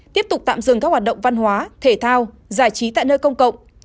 tiếp tục tạm dừng các hoạt động văn hóa thể thao giải trí tại nơi công cộng